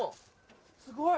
すごい。